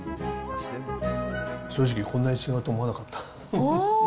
正直、こんなに違うとは思わなかった。